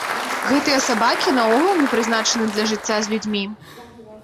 Гэтыя сабакі наогул не прызначаны для жыцця з людзьмі.